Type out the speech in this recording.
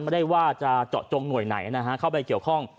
ไม่ได้ว่าจะเจาะโจมโหงหน่อยไหนเข้าใบเกี่ยวข้อง